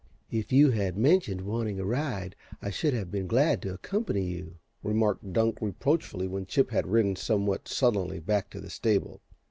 "If you had mentioned wanting a ride I should have been glad to accompany you," remarked Dunk, reproachfully, when Chip had ridden, somewhat sullenly, back to the stable.